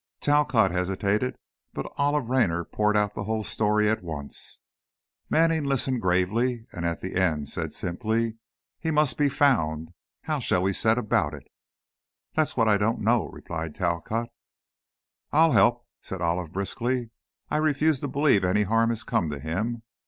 Talcott hesitated, but Olive Raynor poured out the whole story at once. Manning listened gravely, and at the end, said simply: "He must be found. How shall we set about it?" "That's what I don't know," replied Talcott. "I'll help," said Olive, briskly. "I refuse to believe any harm has come to him.